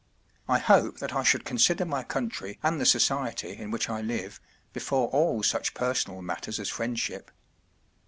I hope that I should consider my country and the society in which I live before all such personal matters as friendship.